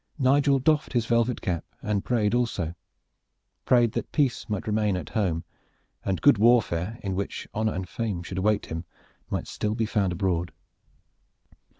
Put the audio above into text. Nigel doffed his velvet cap and prayed also prayed that peace might remain at home, and good warfare, in which honor and fame should await him, might still be found abroad.